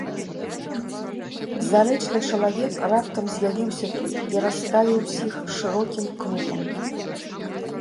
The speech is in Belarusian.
Зарэчны чалавек раптам з'явіўся тут і расставіў усіх шырокім кругам.